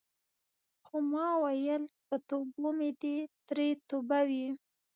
خو ما ویل په توبو مې دې ترې توبه وي.